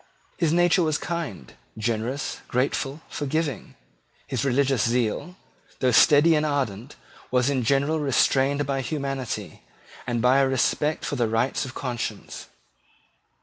His nature was kind, generous, grateful, forgiving. His religious zeal, though steady and ardent, was in general restrained by humanity, and by a respect for the rights of conscience.